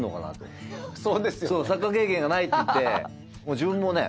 サッカー経験がないっていって自分もね